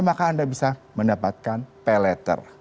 maka anda bisa mendapatkan pay letter